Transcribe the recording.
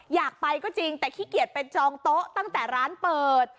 อยากไปก็จริงแต่ขี้เกียจเป็นจองโต๊ะตั้งแต่ร้านเปิด